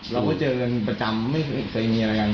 เราก็เจอกันประจำไม่เคยมีอะไรกัน